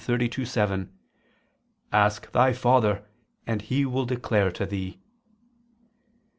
32:7: "Ask thy father, and he will declare to thee."